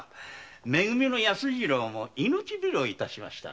め組の安次郎も命拾いを致しましたな。